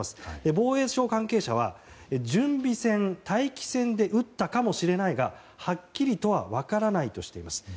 防衛省関係者は準備線、待機線で撃ったかもしれないがはっきりとは分からないとしています。